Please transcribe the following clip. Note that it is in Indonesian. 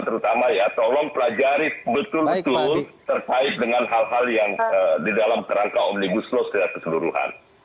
terutama ya tolong pelajari betul betul terkait dengan hal hal yang di dalam kerangka omnibus law secara keseluruhan